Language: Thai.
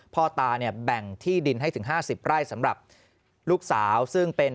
พ่อตาเนี่ยแบ่งที่ดินให้ถึง๕๐ไร่สำหรับลูกสาวซึ่งเป็น